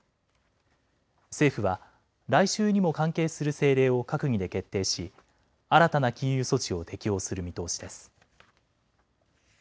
政府は来週にも関係する政令を閣議で決定し新たな禁輸措置を適用する見通しです。